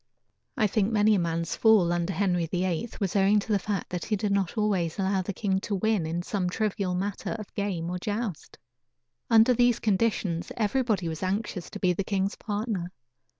I think many a man's fall, under Henry VIII, was owing to the fact that he did not always allow the king to win in some trivial matter of game or joust. Under these conditions everybody was anxious to be the king's partner.